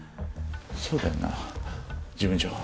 そうだよな事務長。